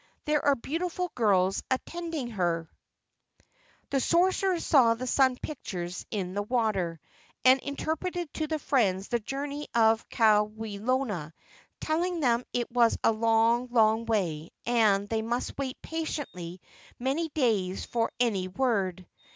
There are beautiful girls attending her." 44 LEGENDS OF GHOSTS The sorcerer saw the sun pictures in the water, and interpreted to the friends the journey of Ka welona, telling them it was a long, long way, and they must wait patiently many days for any word.